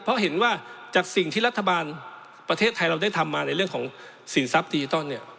เพราะเห็นว่าจากสิ่งที่รัฐบาลประเทศไทยเราได้ทำมาในเรื่องของสินทรัพย์ดิจิทัลเนี่ย